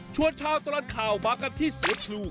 ชวนเช้าตลอดข่าวมากันที่สวทู